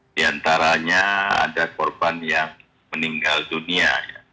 di antaranya ada korban yang meninggal dunia